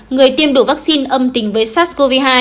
người tiêm đủ vaccine âm tính với sars cov hai